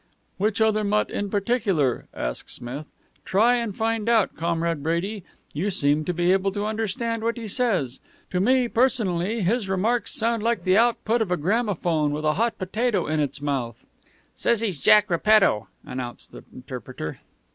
"Which other mutt in particular?" asked Smith. "Try and find out, Comrade Brady. You seem to be able to understand what he says. To me, personally, his remarks sound like the output of a gramophone with a hot potato in its mouth." "Says he's Jack Repetto," announced the interpreter.